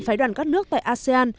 phái đoàn các nước tại asean